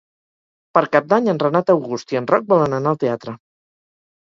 Per Cap d'Any en Renat August i en Roc volen anar al teatre.